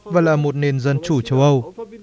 và là một nền dân chủ châu âu